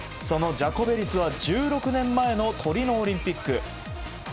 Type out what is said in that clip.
そのジャコベリスは１６年前のトリノオリンピック。